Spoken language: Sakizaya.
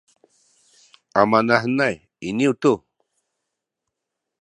amanahenay iniyu tu